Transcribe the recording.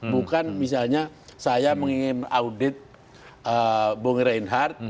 bukan misalnya saya mengingin audit bung reinhardt